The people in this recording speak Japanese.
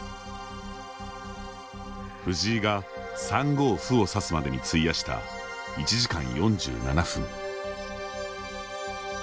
藤井が３五歩を指すまでに費やした１時間４７分。